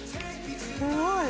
すごい。